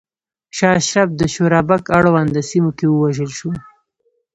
شاه اشرف د شورابک اړونده سیمو کې ووژل شو.